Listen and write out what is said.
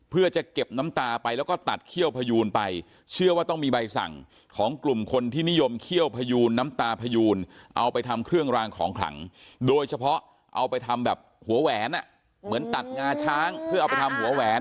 เพื่อจะเก็บน้ำตาไปแล้วก็ตัดเขี้ยวพยูนไปเชื่อว่าต้องมีใบสั่งของกลุ่มคนที่นิยมเขี้ยวพยูนน้ำตาพยูนเอาไปทำเครื่องรางของขลังโดยเฉพาะเอาไปทำแบบหัวแหวนอ่ะเหมือนตัดงาช้างเพื่อเอาไปทำหัวแหวน